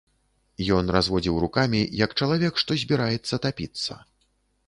Ён разводзіў рукамі, як чалавек, што збіраецца тапіцца.